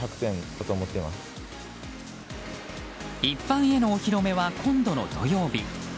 一般へのお披露目は今度の土曜日。